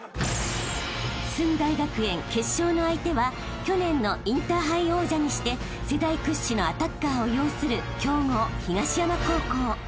［駿台学園決勝の相手は去年のインターハイ王者にして世代屈指のアタッカーを擁する強豪東山高校］